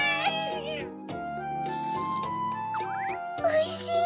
おいしい！